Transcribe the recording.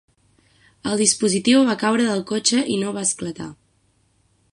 El dispositiu va caure del cotxe i no va esclatar.